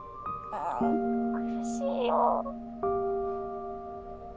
ん苦しいよ。